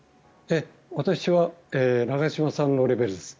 私は長嶋さんのレベルです。